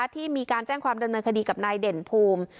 ที่มีการแจ้งความดำเนินคดีกับนายเด่นภูมิ